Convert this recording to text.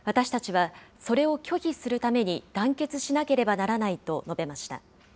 私たちはそれを拒否するために、団結しなければならないと述べました。